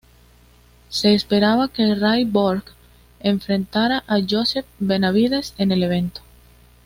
Se esperaba que Ray Borg enfrentara a Joseph Benavidez en el evento.